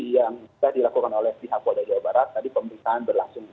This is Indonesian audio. yang sudah dilakukan oleh pihak polda jawa barat tadi pemeriksaan berlangsung